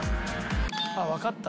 あっわかった。